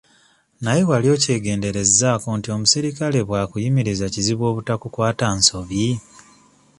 Naye wali okyegenderezzaako nti omusirikale bw'akuyimiriza kizibu obutakukwata nsobi?